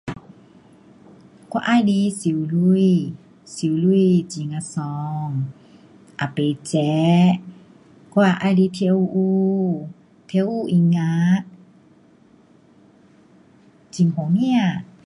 我喜欢游泳，游泳很呀爽。也不热。我也喜欢跳舞，跳舞音乐，很好听。